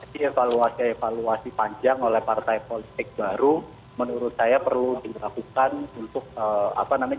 jadi evaluasi evaluasi panjang oleh partai politik baru menurut saya perlu dilakukan untuk apa namanya